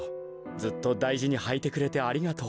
ずっとだいじにはいてくれてありがとう。